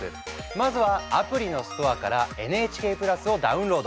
まずはアプリのストアからＮＨＫプラスをダウンロード！